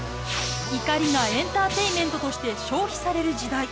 怒りがエンターテインメントとして消費される時代。